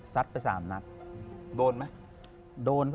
ซัดไป๓นัด